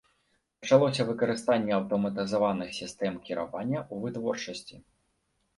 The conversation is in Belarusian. Пачалося выкарыстанне аўтаматызаваных сістэм кіравання ў вытворчасці.